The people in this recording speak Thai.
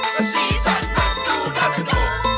แต่สีสันมันดูน่าสนุก